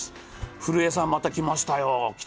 古江さん、またきましたよ。